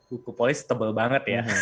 buku polis tebel banget ya